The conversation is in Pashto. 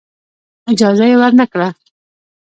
اجازه یې ورنه کړه.